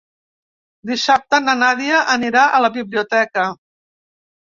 Dissabte na Nàdia anirà a la biblioteca.